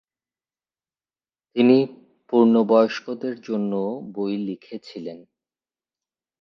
তিনি পূর্ণবয়স্কদের জন্যও বই লিখেছিলেন।